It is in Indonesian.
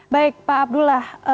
baik pak abdullah